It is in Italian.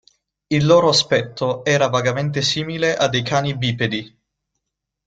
Il loro aspetto era vagamente simile a dei cani bipedi.